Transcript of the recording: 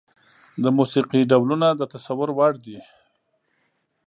د موسيقي ډولونه د تصور وړ دي.